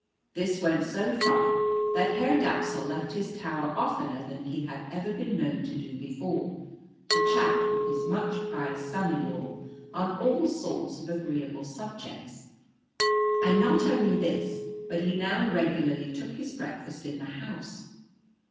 This went so far that Herr Dapsul left his tower oftener than he had ever been known to do before, to chat with his much prized son in law on all sorts of agreeable subjects; and not only this, but he now regularly took his breakfast in the house.